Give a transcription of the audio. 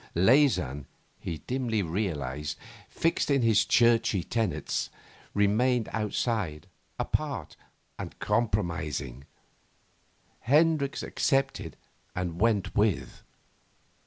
Leysin, he dimly realised, fixed in his churchy tenets, remained outside, apart, and compromising; Hendricks accepted and went with.